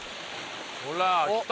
ほら来た！